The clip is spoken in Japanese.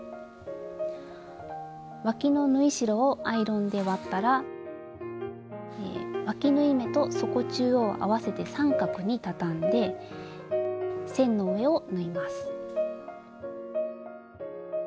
わきの縫い代をアイロンで割ったらわき縫い目と底中央を合わせて三角に畳んで線の上を縫います。